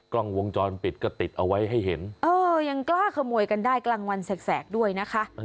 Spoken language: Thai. กล้องวงจรปิดก็ติดเอาไว้ให้เห็นเออยังกล้าขโมยกันได้กลางวันแสกด้วยนะคะ